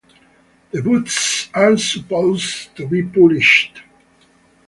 The boots are supposed to be polished.